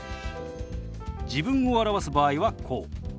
自分を表す場合はこう。